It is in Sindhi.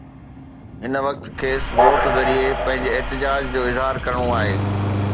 هن وقت کيس ووٽ ذريعي پنهنجي احتجاج جو اظهار ڪرڻو آهي.